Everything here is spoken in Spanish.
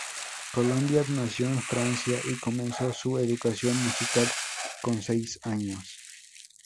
Colombier nació en Francia y comenzó su educación musical con seis años.